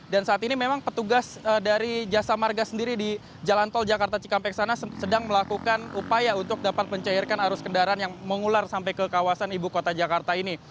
dan saat ini memang petugas dari jasa marga sendiri di jalan tol jakarta cikampek sana sedang melakukan upaya untuk dapat mencairkan arus kendaraan yang mengular sampai ke kawasan ibu kota jakarta ini